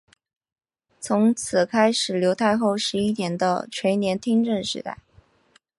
从此开始刘太后十一年的垂帘听政时代。